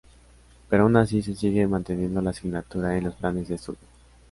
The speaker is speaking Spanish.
Pero aun así se sigue manteniendo la asignatura en los planes de estudio.